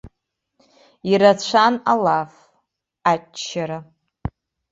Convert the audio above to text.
Ирацәан алаф, аччара.